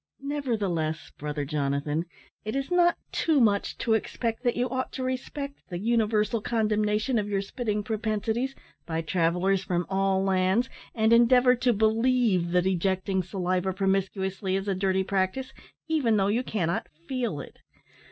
Nevertheless, brother Jonathan, it is not too much to expect that you ought to respect the universal condemnation of your spitting propensities by travellers from all lands and endeavour to believe that ejecting saliva promiscuously is a dirty practice, even although you cannot feel it.